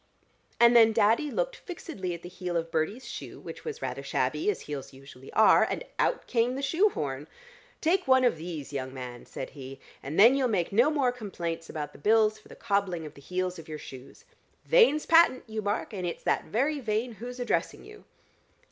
And then Daddy looked fixedly at the heel of Bertie's shoe which was rather shabby, as heels usually are, and out came the shoe horn. 'Take one of these, young man,' said he, 'and then you'll make no more complaints about the bills for the cobbling of the heels of your shoes. Vane's patent, you mark, and it's that very Vane who's addressing you!'"